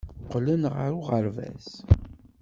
Qqlen ɣer uɣerbaz.